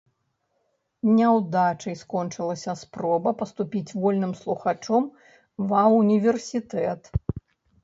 Няўдачай скончылася спроба паступіць вольным слухачом ва ўніверсітэт.